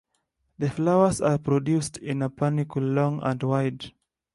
The flowers are produced in a panicle long and wide.